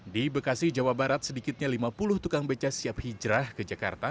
di bekasi jawa barat sedikitnya lima puluh tukang beca siap hijrah ke jakarta